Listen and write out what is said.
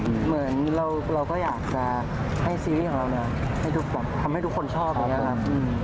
เหมือนเราก็อยากจะให้ซีรีส์ของเราน่ะให้ทุกแบบทำให้ทุกคนชอบแบบเนี้ยครับ